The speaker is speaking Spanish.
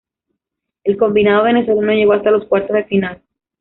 El combinado venezolano llegó hasta los cuartos de final.